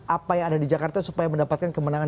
apa yang ada di jakarta supaya mendapatkan kemenangan